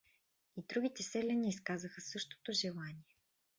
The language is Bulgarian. И другите селяни изказаха същото желание.